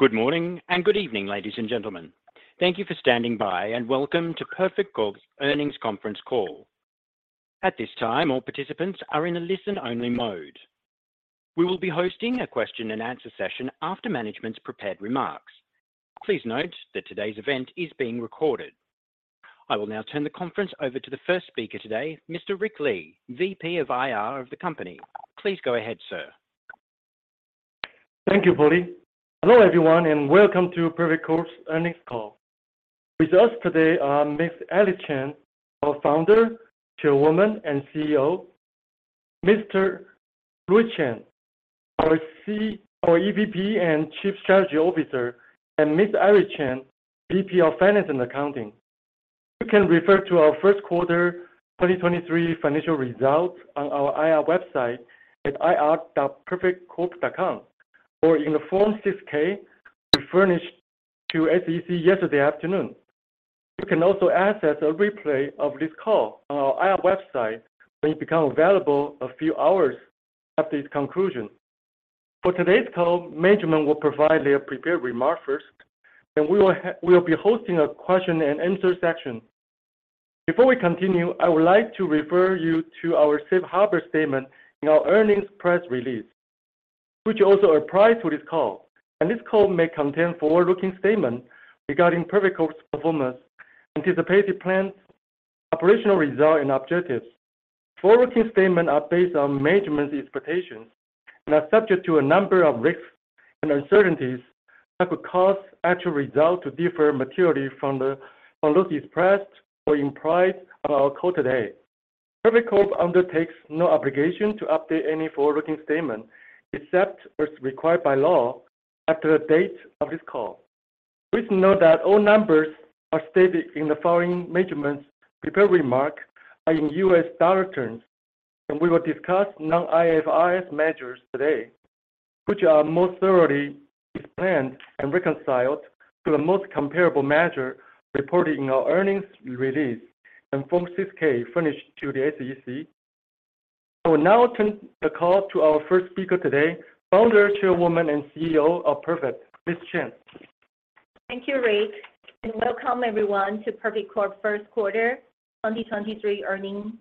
Good morning and good evening, ladies and gentlemen. Thank you for standing by. Welcome to Perfect Corp.'s Earnings Conference Call. At this time, all participants are in a listen-only mode. We will be hosting a question-and-answer session after management's prepared remarks. Please note that today's event is being recorded. I will now turn the conference over to the first speaker today, Mr. Rick Lee, VP of IR of the company. Please go ahead, sir. Thank you, Bodhi. Hello, everyone, and welcome to Perfect Corp.'s Earnings Call. With us today are Ms. Alice Chang, our Founder, Chairwoman, and CEO, Mr. Louis Chen, our EVP and Chief Strategy Officer, and Ms. Iris Chen, VP of Finance and Accounting. You can refer to our first quarter 2023 financial results on our IR website at ir.perfectcorp.com or in the Form 6-K we furnished to SEC yesterday afternoon. You can also access a replay of this call on our IR website when it become available a few hours after its conclusion. For today's call, management will provide their prepared remarks first, then we will be hosting a question-and-answer session. Before we continue, I would like to refer you to our safe harbor statement in our earnings press release, which also applies to this call. This call may contain forward-looking statements regarding Perfect Corp's performance, anticipated plans, operational results, and objectives. Forward-looking statements are based on management's expectations and are subject to a number of risks and uncertainties that could cause actual results to differ materially from those expressed or implied on our call today. Perfect Corp undertakes no obligation to update any forward-looking statement except as required by law after the date of this call. Please note that all numbers stated in the following management prepared remark are in US dollar terms, and we will discuss non-IFRS measures today, which are most thoroughly explained and reconciled to the most comparable measure reported in our earnings release and Form 6-K furnished to the SEC. I will now turn the call to our first speaker today, Founder, Chairwoman, and CEO of Perfect, Ms. Chang. Thank you, Rick, and welcome everyone to Perfect Corp first quarter 2023 earnings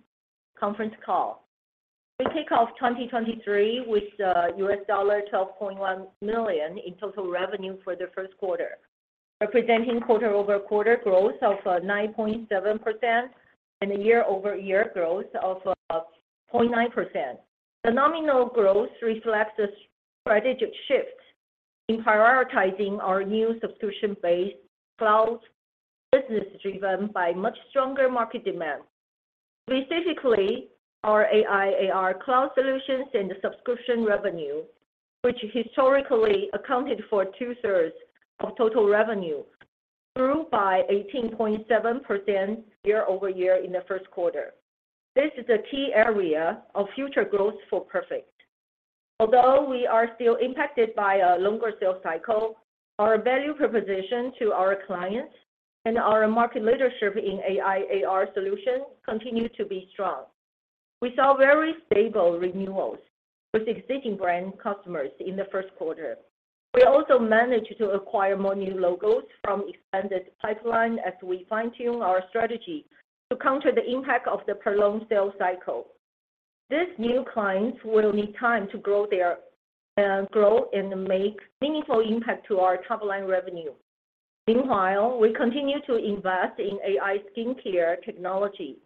conference call. We kick off 2023 with $12.1 million in total revenue for the first quarter, representing quarter-over-quarter growth of 9.7% and a year-over-year growth of 0.9%. The nominal growth reflects a strategic shift in prioritizing our new subscription-based cloud business driven by much stronger market demand. Specifically, our AI/AR cloud solutions and subscription revenue, which historically accounted for 2/3 of total revenue, grew by 18.7% year-over-year in the first quarter. This is a key area of future growth for Perfect. Although we are still impacted by a longer sales cycle, our value proposition to our clients and our market leadership in AI/AR solutions continue to be strong. We saw very stable renewals with existing brand customers in the first quarter. We also managed to acquire more new logos from expanded pipeline as we fine-tune our strategy to counter the impact of the prolonged sales cycle. These new clients will need time to grow and make meaningful impact to our top-line revenue. Meanwhile, we continue to invest in AI skincare technology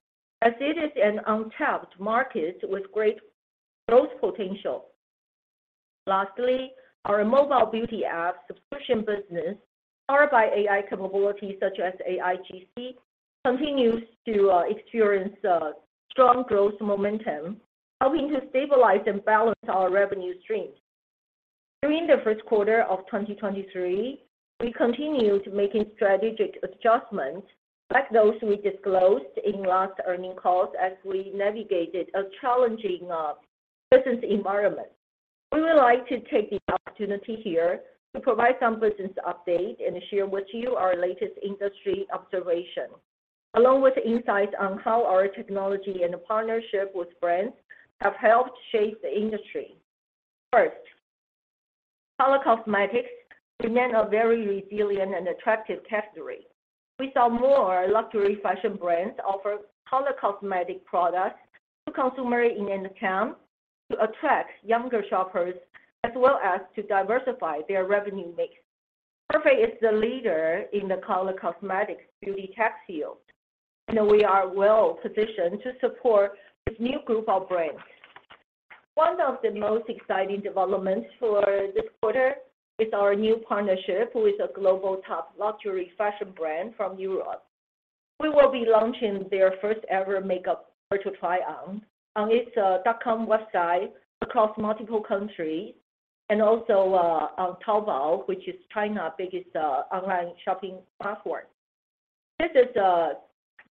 as it is an untapped market with great growth potential. Lastly, our mobile beauty app subscription business, powered by AI capabilities such as AIGC, continues to experience strong growth momentum, helping to stabilize and balance our revenue streams. During the first quarter of 2023, we continued making strategic adjustments like those we disclosed in last earning calls as we navigated a challenging business environment. We would like to take the opportunity here to provide some business update and share with you our latest industry observation, along with insights on how our technology and partnership with brands have helped shape the industry. First, color cosmetics remain a very resilient and attractive category. We saw more luxury fashion brands offer color cosmetic products to consumer in an attempt to attract younger shoppers as well as to diversify their revenue mix. Perfect is the leader in the color cosmetics beauty tech field, and we are well-positioned to support this new group of brands. One of the most exciting developments for this quarter is our new partnership with a global top luxury fashion brand from Europe. We will be launching their first-ever makeup virtual try-on on its .com website across multiple countries and also on Taobao, which is China biggest online shopping platform. This is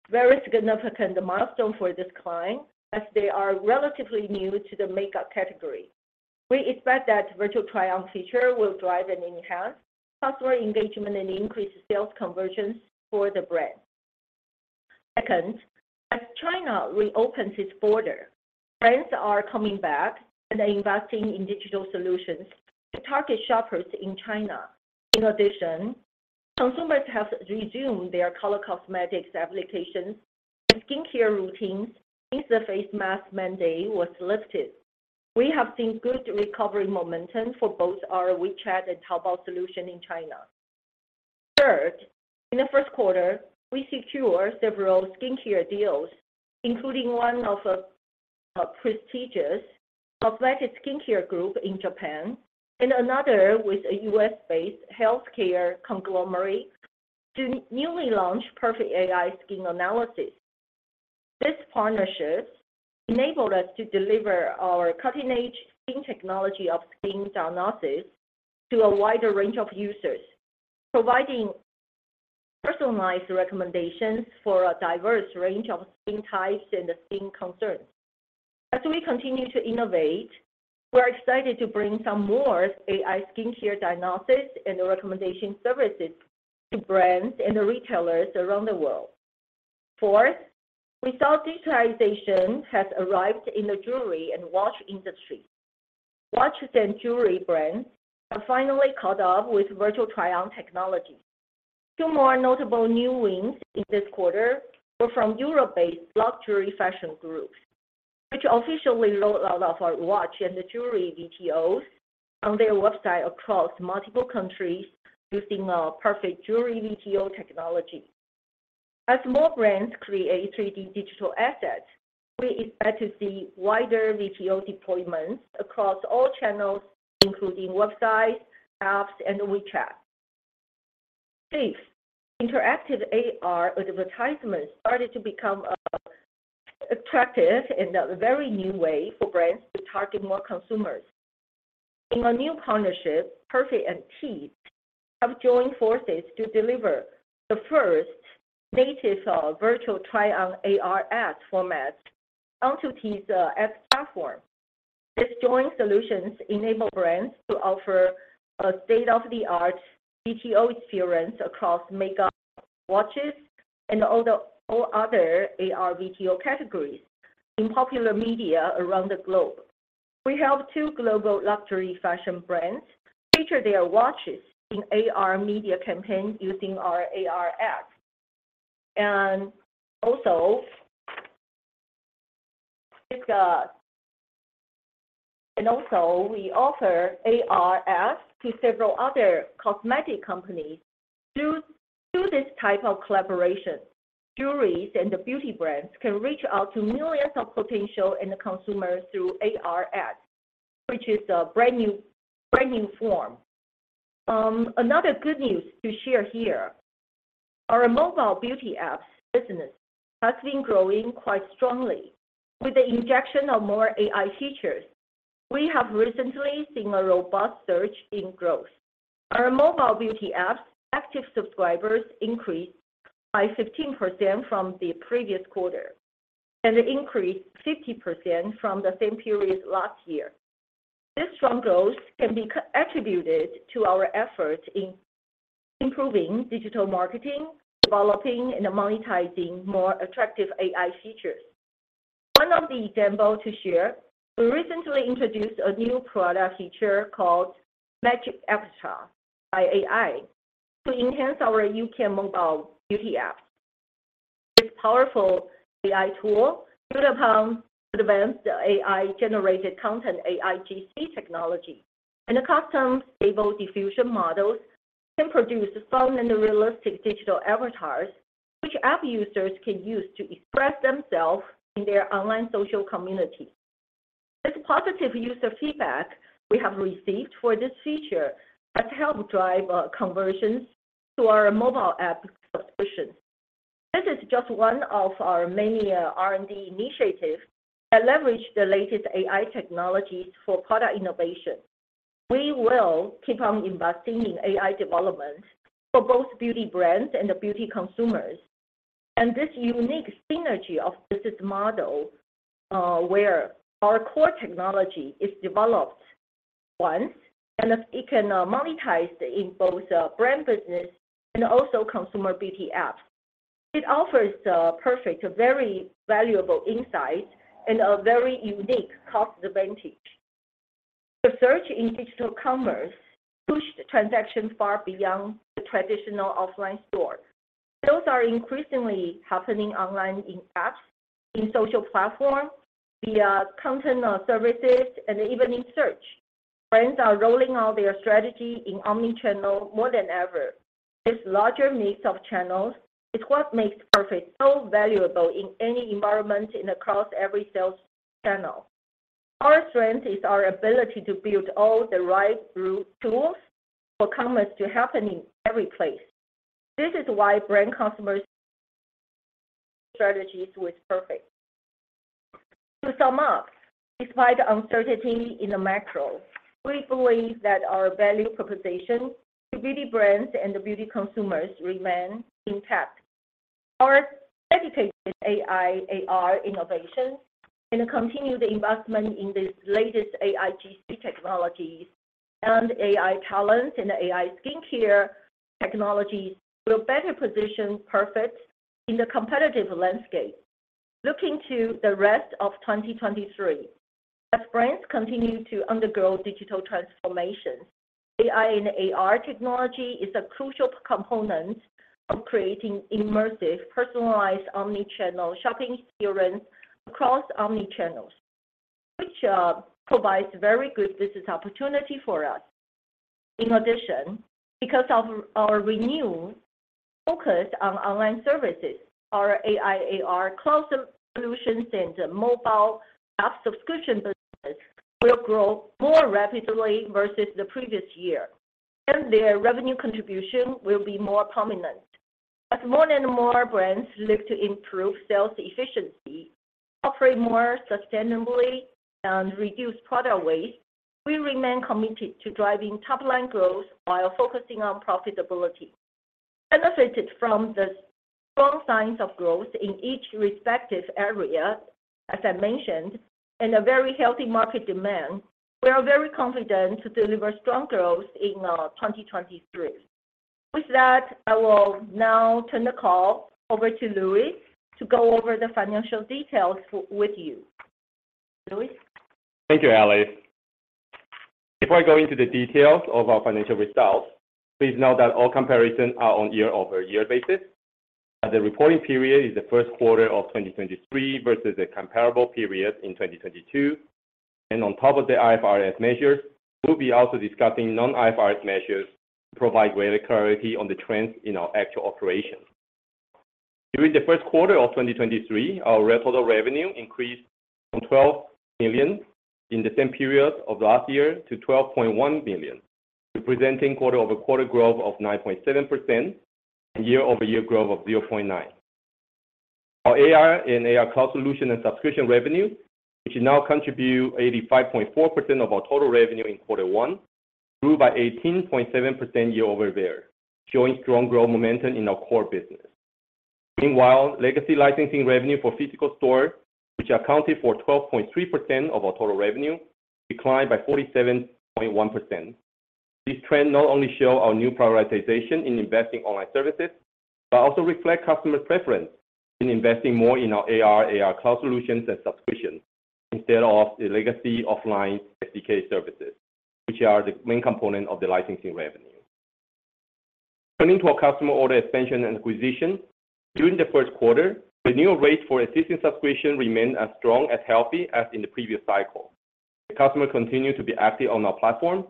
a very significant milestone for this client as they are relatively new to the makeup category. We expect that virtual try-on feature will drive and enhance customer engagement and increase sales conversions for the brand. Second, as China reopens its border, brands are coming back and are investing in digital solutions to target shoppers in China. In addition, consumers have resumed their color cosmetics applications and skincare routines since the face mask mandate was lifted. We have seen good recovery momentum for both our WeChat and Taobao solution in China. Third, in the first quarter, we secured several skincare deals, including one of a prestigious public skincare group in Japan, and another with a U.S.-based healthcare conglomerate to newly launch Perfect AI Skin Analysis. These partnerships enabled us to deliver our cutting-edge skin technology of skin diagnosis to a wider range of users, providing personalized recommendations for a diverse range of skin types and skin concerns. As we continue to innovate, we are excited to bring some more AI skin care diagnosis and recommendation services to brands and retailers around the world. Fourth, we saw digitalization has arrived in the jewelry and watch industry. Watches and jewelry brands have finally caught up with virtual try-on technology. Two more notable new wins in this quarter were from Europe-based luxury fashion groups, which officially rolled out our watch and the jewelry VTOs on their website across multiple countries using our Perfect jewelry VTO technology. As more brands create 3D digital assets, we expect to see wider VTO deployments across all channels, including websites, apps, and WeChat. Fifth, interactive AR advertisements started to become attractive in a very new way for brands to target more consumers. In a new partnership, Perfect and Teads have joined forces to deliver the first native virtual try-on AR ads format onto Teads ads platform. These joint solutions enable brands to offer a state-of-the-art VTO experience across makeup, watches, and all other AR VTO categories in popular media around the globe. We have two global luxury fashion brands feature their watches in AR media campaigns using our AR ads. We offer AR ads to several other cosmetic companies. Through this type of collaboration, jewelries and the beauty brands can reach out to millions of potential end consumers through AR ads, which is a brand new form. Another good news to share here. Our mobile beauty apps business has been growing quite strongly. With the injection of more AI features, we have recently seen a robust surge in growth. Our mobile beauty apps active subscribers increased by 15% from the previous quarter, and increased 50% from the same period last year. This strong growth can be attributed to our efforts in improving digital marketing, developing, and monetizing more attractive AI features. One of the example to share, we recently introduced a new product feature called Magic Avatar by AI to enhance our YouCam mobile beauty app. This powerful AI tool built upon advanced AI-generated content, AIGC technology, and custom Stable Diffusion models can produce fun and realistic digital avatars which app users can use to express themselves in their online social community. This positive user feedback we have received for this feature has helped drive conversions to our mobile app subscription. This is just one of our many R&D initiatives that leverage the latest AI technologies for product innovation. We will keep on investing in AI development for both beauty brands and the beauty consumers. This unique synergy of business model, where our core technology is developed once, and it can monetize in both brand business and also consumer beauty apps. It offers Perfect Corp. a very valuable insight and a very unique cost advantage. The search in digital commerce pushed transactions far beyond the traditional offline store. Sales are increasingly happening online in apps, in social platform, via content or services, and even in search. Brands are rolling out their strategy in omni-channel more than ever. This larger mix of channels is what makes Perfect so valuable in any environment and across every sales channel. Our strength is our ability to build all the right tools for commerce to happen in every place. This is why brand customers strategies with Perfect. To sum up, despite the uncertainty in the macro, we believe that our value proposition to beauty brands and the beauty consumers remain intact. Our dedicated AI, AR innovation and continued investment in this latest AIGC technologies and AI talent and AI skincare technologies will better position Perfect in the competitive landscape. Looking to the rest of 2023, as brands continue to undergo digital transformation, AI and AR technology is a crucial component of creating immersive, personalized omni-channel shopping experience across omni-channels, which provides very good business opportunity for us. In addition, because of our renewal focus on online services, our AI AR cloud solutions and mobile app subscription business will grow more rapidly versus the previous year, and their revenue contribution will be more prominent. As more and more brands look to improve sales efficiency, operate more sustainably and reduce product waste, we remain committed to driving top-line growth while focusing on profitability. Benefited from the strong signs of growth in each respective area, as I mentioned, and a very healthy market demand, we are very confident to deliver strong growth in 2023. With that, I will now turn the call over to Louis to go over the financial details with you. Louis? Thank you, Alice. Before I go into the details of our financial results, please note that all comparisons are on year-over-year basis. The reporting period is the first quarter of 2023 versus the comparable period in 2022. On top of the IFRS measures, we'll be also discussing non-IFRS measures to provide greater clarity on the trends in our actual operations. During the first quarter of 2023, our total revenue increased from $12 million in the same period of last year to $12.1 million, representing quarter-over-quarter growth of 9.7% and year-over-year growth of 0.9%. Our AR and AR cloud solution and subscription revenue, which now contribute 85.4% of our total revenue in quarter one, grew by 18.7% year-over-year, showing strong growth momentum in our core business. Meanwhile, legacy licensing revenue for physical store, which accounted for 12.3% of our total revenue, declined by 47.1%. This trend not only show our new prioritization in investing online services, but also reflect customer preference in investing more in our AR cloud solutions and subscriptions instead of the legacy offline SDK services, which are the main component of the licensing revenue. Turning to our customer order expansion and acquisition, during the first quarter, the renewal rates for existing subscription remained as strong, as healthy as in the previous cycle. The customer continued to be active on our platform.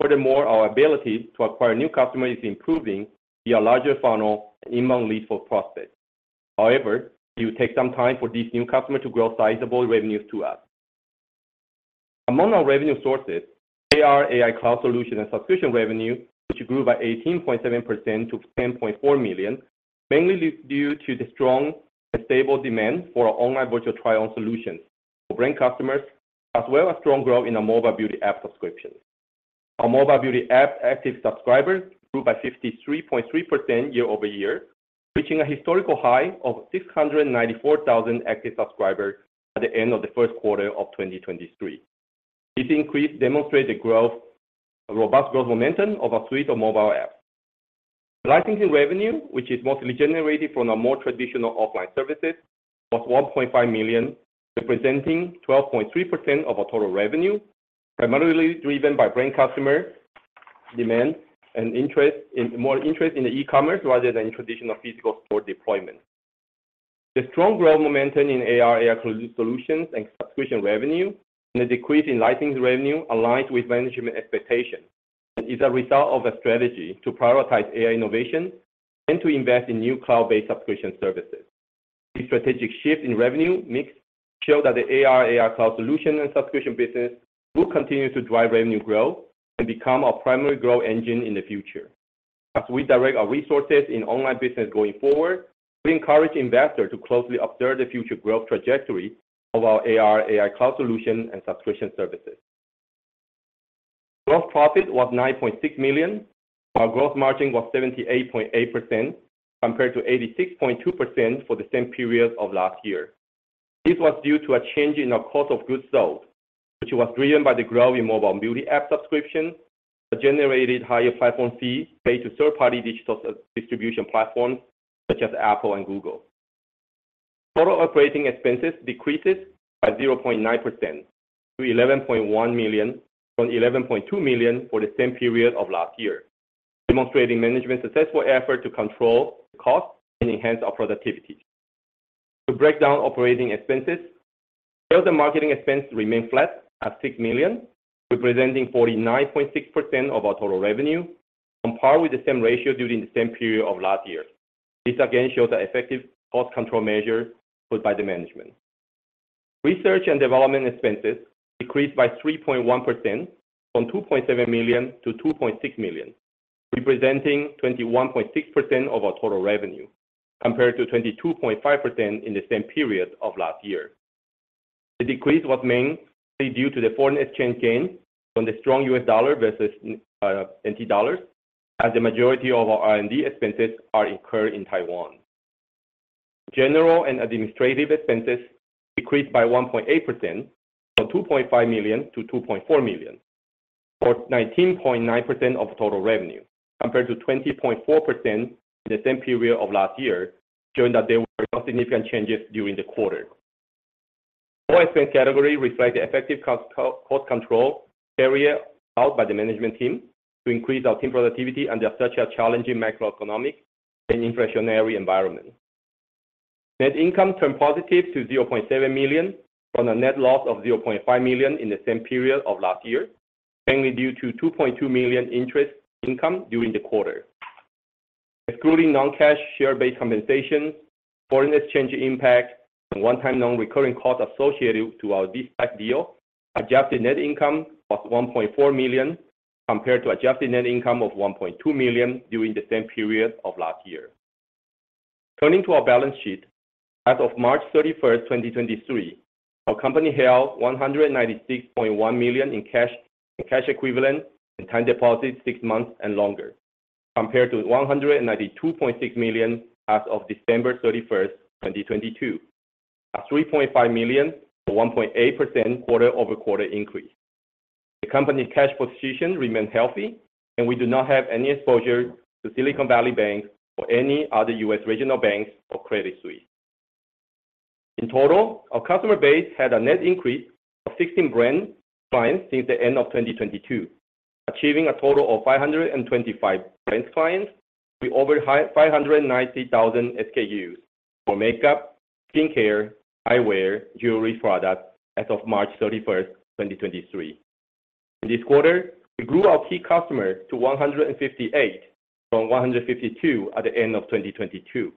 Furthermore, our ability to acquire new customers is improving via larger funnel and inbound leads for prospects. However, it will take some time for these new customers to grow sizable revenues to us. Among our revenue sources, AR, AI cloud solution and subscription revenue, which grew by 18.7% to $10.4 million, mainly due to the strong and stable demand for our online virtual try on solutions for brand customers, as well as strong growth in our mobile beauty app subscription. Our mobile beauty app active subscribers grew by 53.3% year-over-year, reaching a historical high of 694,000 active subscribers at the end of the first quarter of 2023. This increase demonstrate the growth, robust growth momentum of our suite of mobile apps. Licensing revenue, which is mostly generated from our more traditional offline services, was $1.5 million, representing 12.3% of our total revenue, primarily driven by brand customer demand and more interest in the e-commerce rather than traditional physical store deployment. The strong growth momentum in AR cloud solutions and subscription revenue and the decrease in licensing revenue aligns with management expectation and is a result of a strategy to prioritize AR innovation and to invest in new cloud-based subscription services. This strategic shift in revenue mix show that the AR cloud solution and subscription business will continue to drive revenue growth and become our primary growth engine in the future. As we direct our resources in online business going forward, we encourage investors to closely observe the future growth trajectory of our AR cloud solution and subscription services. Gross profit was $9.6 million. Our growth margin was 78.8% compared to 86.2% for the same period of last year. This was due to a change in our cost of goods sold, which was driven by the growth in mobile and beauty app subscription that generated higher platform fees paid to third-party digital distribution platforms such as Apple and Google. Total operating expenses decreased by 0.9% to $11.1 million from $11.2 million for the same period of last year, demonstrating management's successful effort to control costs and enhance our productivity. To break down operating expenses, sales and marketing expenses remain flat at $6 million, representing 49.6% of our total revenue, on par with the same ratio during the same period of last year. This again shows the effective cost control measure put by the management. Research and development expenses decreased by 3.1% from $2.7 million to $2.6 million, representing 21.6% of our total revenue, compared to 22.5% in the same period of last year. The decrease was mainly due to the foreign exchange gain from the strong US dollar versus NT dollars, as the majority of our R&D expenses are incurred in Taiwan. General and administrative expenses decreased by 1.8% from $2.5 million to $2.4 million, or 19.9% of total revenue compared to 20.4% in the same period of last year, showing that there were no significant changes during the quarter. All expense category reflect the effective cost, co-cost control area held by the management team to increase our team productivity under such a challenging macroeconomic and inflationary environment. Net income turned positive to $0.7 million from a net loss of $0.5 million in the same period of last year, mainly due to $2.2 million interest income during the quarter. Excluding non-cash share-based compensation, foreign exchange impact, and one-time non-recurring costs associated to our de-SPAC deal, adjusted net income was $1.4 million compared to adjusted net income of $1.2 million during the same period of last year. Turning to our balance sheet, as of March 31, 2023, our company held $196.1 million in cash and cash equivalents and time deposits six months and longer, compared to $192.6 million as of December 31, 2022. A $3.5 million or 1.8% quarter-over-quarter increase. The company cash position remains healthy. We do not have any exposure to Silicon Valley Bank or any other U.S. regional banks or Credit Suisse. In total, our customer base had a net increase of 16 brand clients since the end of 2022, achieving a total of 525 brand clients with over 590,000 SKUs for makeup, skincare, eyewear, jewelry products as of March 31st, 2023. In this quarter, we grew our key customer to 158 from 152 at the end of 2022.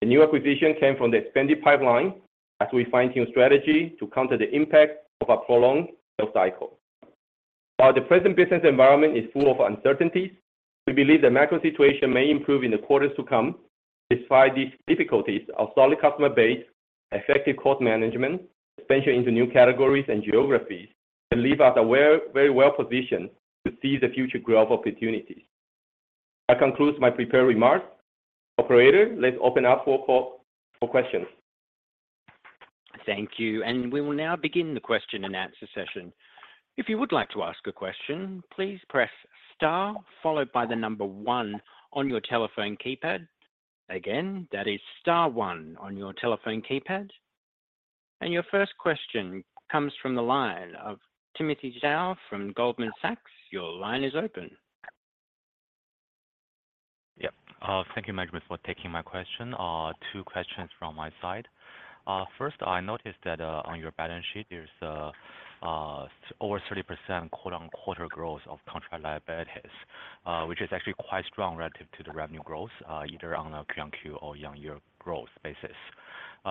The new acquisition came from the expanded pipeline as we fine-tune strategy to counter the impact of a prolonged sales cycle. While the present business environment is full of uncertainties, we believe the macro situation may improve in the quarters to come. Despite these difficulties, our solid customer base, effective cost management, expansion into new categories and geographies can leave us very well-positioned to seize the future growth opportunities. That concludes my prepared remarks. Operator, let's open up for questions. Thank you. We will now begin the question-and-answer session. If you would like to ask a question, please press star followed by one on your telephone keypad. Again, that is star one on your telephone keypad. Your first question comes from the line of Timothy Zhao from Goldman Sachs. Your line is open. Yeah. Thank you management for taking my question. Two questions from my side. First, I noticed that on your balance sheet, there's over 30% quarter-on-quarter growth of contract liabilities, which is actually quite strong relative to the revenue growth, either on a Q-on-Q or year-on-year growth basis.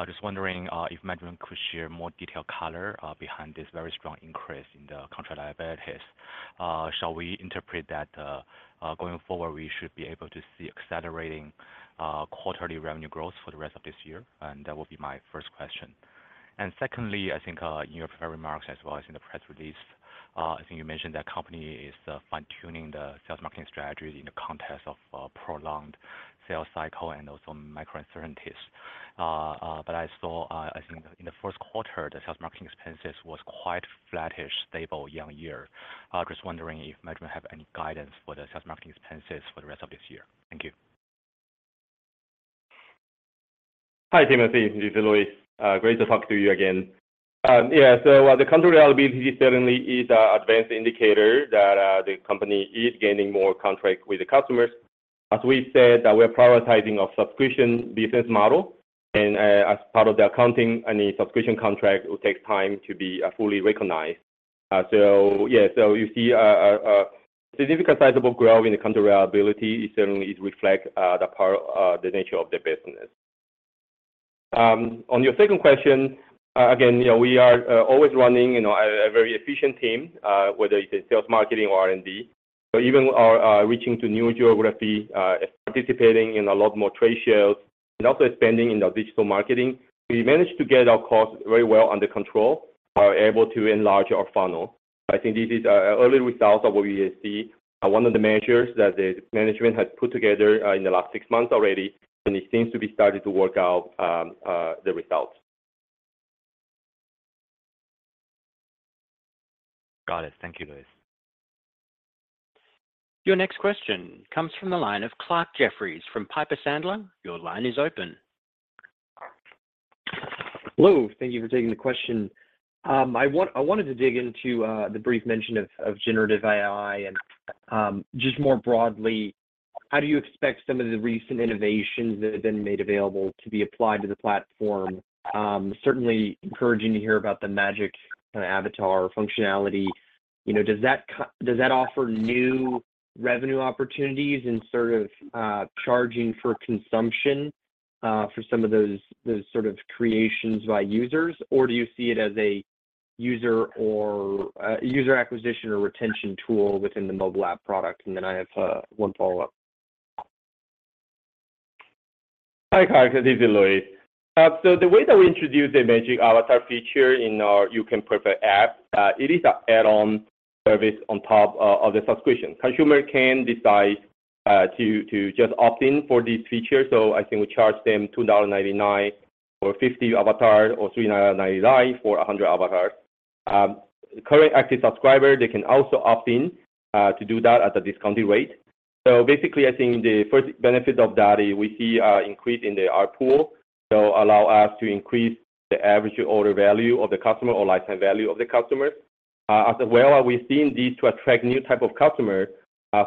Just wondering if management could share more detailed color behind this very strong increase in the contract liabilities. Shall we interpret that going forward, we should be able to see accelerating quarterly revenue growth for the rest of this year? That will be my first question. Secondly, I think, in your prepared remarks as well as in the press release, I think you mentioned that company is fine-tuning the sales marketing strategies in the context of prolonged sales cycle and also macro uncertainties. But I saw, I think in the first quarter, the sales marketing expenses was quite flattish, stable year-on-year. Just wondering if management have any guidance for the sales marketing expenses for the rest of this year. Thank you. Hi, Timothy. This is Louis. Great to talk to you again. The contract liability certainly is a advanced indicator that the company is gaining more contract with the customers. As we said, that we're prioritizing our subscription business model, and as part of the accounting, any subscription contract will take time to be fully recognized. You see a significant sizable growth in the contract liability. It certainly is reflect the power, the nature of the business. On your second question, again, you know, we are always running, you know, a very efficient team, whether it's in sales, marketing or R&D. Even our reaching to new geography, participating in a lot more trade shows and also expanding in the digital marketing, we managed to get our costs very well under control, are able to enlarge our funnel. I think this is early results of what we see, one of the measures that the management has put together in the last six months already, and it seems to be starting to work out the results. Got it. Thank you, Louis. Your next question comes from the line of Clarke Jeffries from Piper Sandler. Your line is open. Hello. Thank you for taking the question. I wanted to dig into the brief mention of generative AI and just more broadly, how do you expect some of the recent innovations that have been made available to be applied to the platform? Certainly encouraging to hear about the magic kind of avatar functionality. You know, does that offer new revenue opportunities in sort of charging for consumption for some of those sort of creations by users? Or do you see it as a user acquisition or retention tool within the mobile app product? I have one follow-up. Hi, Clarke. This is Louis. The way that we introduce the Magic Avatar feature in our YouCam Perfect app, it is an add-on service on top of the subscription. Consumer can decide to just opt in for this feature. I think we charge them $2.99 for 50 avatar or $3.99 for 100 avatar. Current active subscriber, they can also opt in to do that at a discounted rate. Basically, I think the first benefit of that is we see an increase in the ARPU, allow us to increase the average order value of the customer or lifetime value of the customers. As well, we're seeing this to attract new type of customers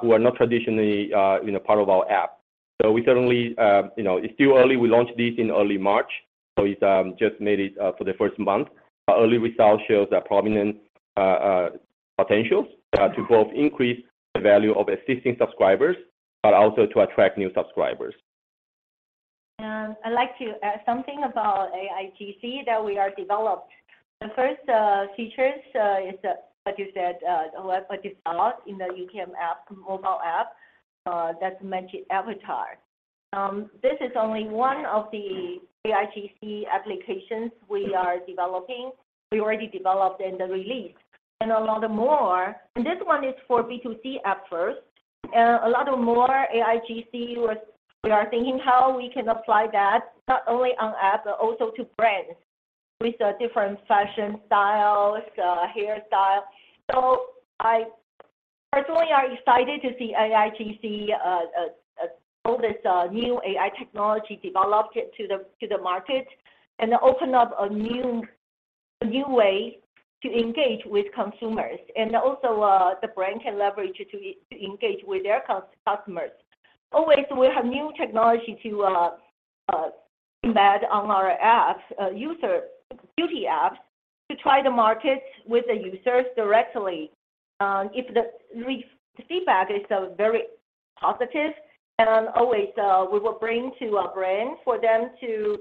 who are not traditionally, you know, part of our app. We certainly, you know, it's still early. We launched this in early March, so it's just made it for the first month. Early results shows a prominent potentials to both increase the value of existing subscribers, but also to attract new subscribers. I'd like to add something about AIGC that we are developed. The first features is like you said, what you saw in the YouCam app, mobile app, that mention avatar. This is only one of the AIGC applications we are developing. We already developed and released and a lot more. This one is for B2C app first. A lot of more AIGC, we are thinking how we can apply that not only on app, but also to brands with different fashion styles, hairstyle. I personally are excited to see AIGC all this new AI technology developed it to the market and open up a new way to engage with consumers. Also, the brand can leverage it to engage with their customers. Always, we have new technology to embed on our app, beauty apps to try to market with the users directly. If the feedback is very positive, then always, we will bring to our brand for them to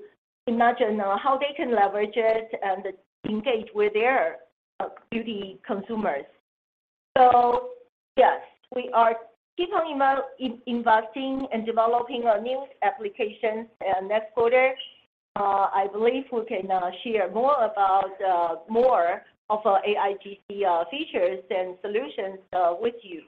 imagine how they can leverage it and engage with their beauty consumers. Yes, we are keeping about investing and developing our new applications. Next quarter, I believe we can share more about more of our AIGC features and solutions with you.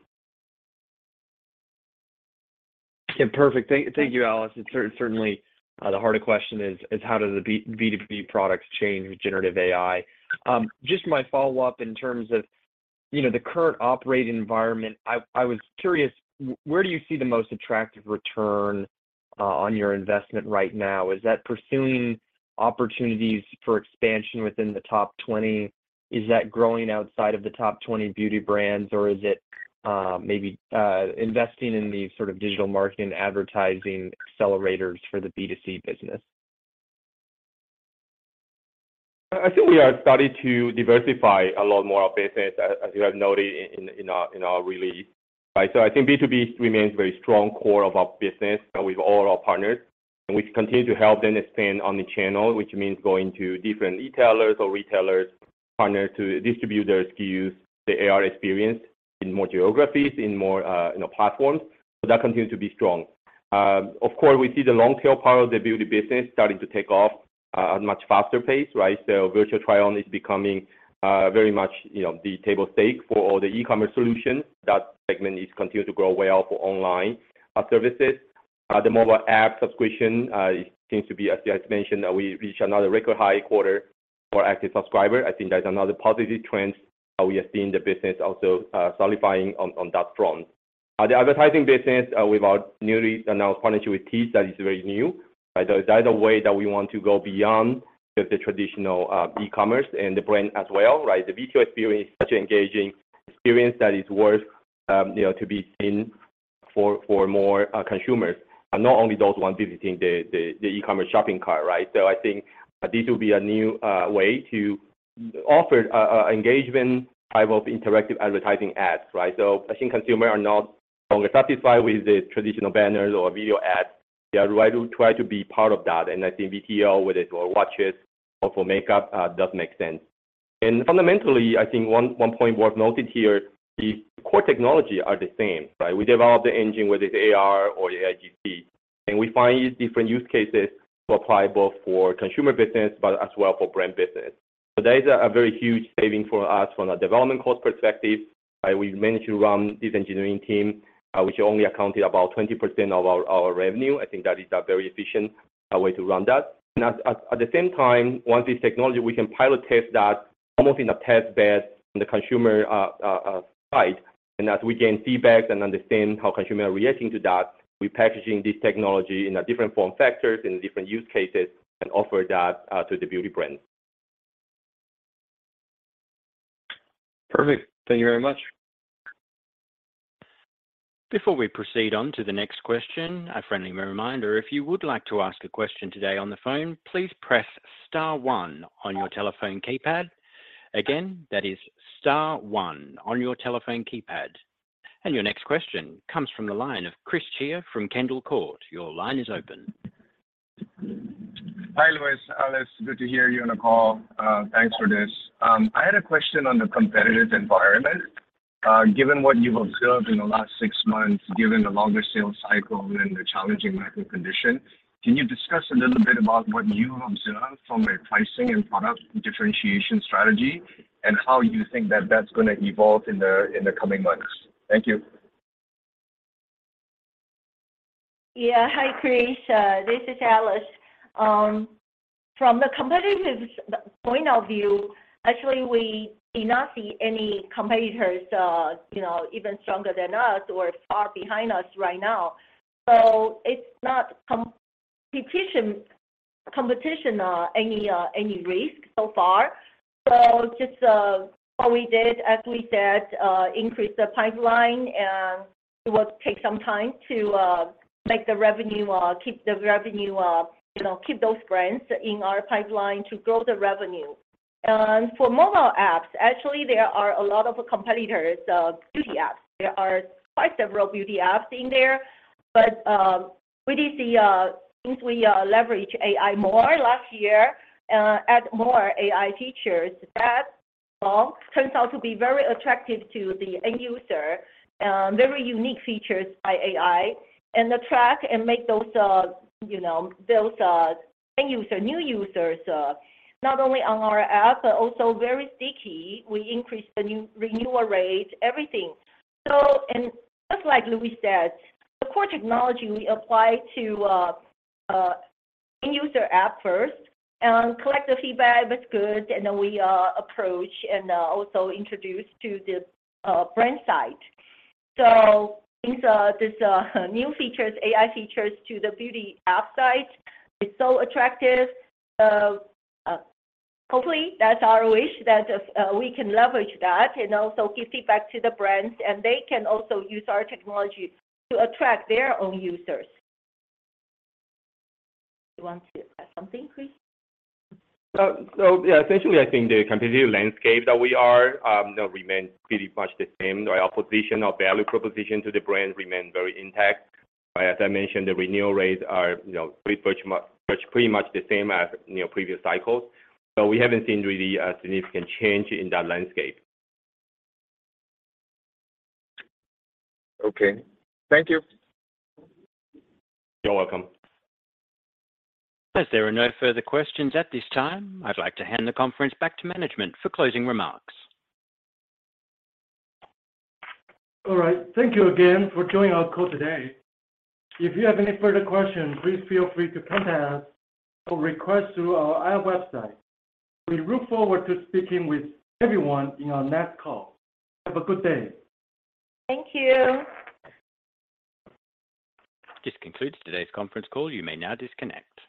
Yeah, perfect. Thank you, Alice. It's certainly the harder question is how do the B2B products change with generative AI? Just my follow-up in terms of, you know, the current operating environment. I was curious, where do you see the most attractive return on your investment right now? Is that pursuing opportunities for expansion within the top 20? Is that growing outside of the top 20 beauty brands, or is it maybe investing in the sort of digital marketing advertising accelerators for the B2C business? I think we are starting to diversify a lot more our business, as you have noted in our, in our release, right. I think B2B remains very strong core of our business with all our partners, and we continue to help them expand on the channel, which means going to different e-tailers or retailers partner to distribute their SKUs, the AR experience in more geographies, in more, you know, platforms. That continues to be strong. Of course, we see the long tail part of the beauty business starting to take off at a much faster pace, right. Virtual try-on is becoming very much, you know, the table stake for all the e-commerce solutions. That segment is continue to grow well for online services. The mobile app subscription seems to be, as you just mentioned, that we reach another record high quarter for active subscriber. I think that's another positive trend how we are seeing the business also solidifying on that front. The advertising business with our newly announced partnership with Teads, that is very new, right? That's a way that we want to go beyond just the traditional e-commerce and the brand as well, right? The VTO experience is such an engaging experience that is worth, you know, to be seen for more consumers, and not only those who are visiting the e-commerce shopping cart, right? I think this will be a new way to offer e-engagement type of interactive advertising ads, right? I think consumer are not only satisfied with the traditional banners or video ads. They are try to be part of that. I think VTO, whether it's for watches or for makeup, does make sense. Fundamentally, I think one point worth noting here is the core technology are the same, right? We develop the engine, whether it's AR or AIGC, and we find different use cases to apply both for consumer business, but as well for brand business. That is a very huge saving for us from a development cost perspective, right? We've managed to run this engineering team, which only accounted about 20% of our revenue. I think that is a very efficient way to run that. At the same time, once this technology, we can pilot test that almost in a test bed on the consumer side. As we gain feedback and understand how consumer are reacting to that, we're packaging this technology in different form factors, in different use cases, and offer that to the beauty brands. Perfect. Thank you very much. Before we proceed on to the next question, a friendly reminder. If you would like to ask a question today on the phone, please press star one on your telephone keypad. Again, that is star one on your telephone keypad. Your next question comes from the line of Chris Chia from Kendall Court. Your line is open. Hi, Louis, Alice. Good to hear you on the call. Thanks for this. I had a question on the competitive environment. Given what you've observed in the last six months, given the longer sales cycle and the challenging macro condition, can you discuss a little bit about what you observed from a pricing and product differentiation strategy and how you think that that's gonna evolve in the, in the coming months? Thank you. Yeah. Hi, Chris, this is Alice. From the competitive point of view, actually, we do not see any competitors, you know, even stronger than us or far behind us right now. It's not competition, any risk so far. Just what we did, as we said, increase the pipeline, and it will take some time to make the revenue, keep the revenue, you know, keep those brands in our pipeline to grow the revenue. For mobile apps, actually, there are a lot of competitors, beauty apps. There are quite several beauty apps in there. We did see, since we leveraged AI more last year, add more AI features, that all turns out to be very attractive to the end user, very unique features by AI and attract and make those, you know, those, end user, new users, not only on our app, but also very sticky. We increased the new renewal rate, everything. And just like Louis said, the core technology we apply to end user app first and collect the feedback, what's good, and then we approach and also introduce to the brand side. These new features, AI features to the beauty app side. It's so attractive. Hopefully, that's our wish that we can leverage that and also give feedback to the brands, and they can also use our technology to attract their own users. You want to add something, Chris? Yeah, essentially, I think the competitive landscape that we are, remains pretty much the same. Our position, our value proposition to the brand remain very intact. As I mentioned, the renewal rates are, you know, pretty much the same as, you know, previous cycles, so we haven't seen really a significant change in that landscape. Okay. Thank you. You're welcome. As there are no further questions at this time, I'd like to hand the conference back to management for closing remarks. Thank you again for joining our call today. If you have any further questions, please feel free to contact us or request through our website. We look forward to speaking with everyone in our next call. Have a good day. Thank you. This concludes today's conference call. You may now disconnect.